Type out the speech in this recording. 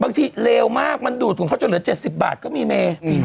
เลวมากมันดูดของเขาจนเหลือ๗๐บาทก็มีเม